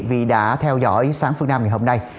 vì đã theo dõi sáng phương nam ngày hôm nay